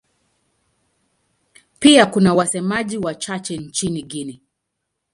Pia kuna wasemaji wachache nchini Guinea.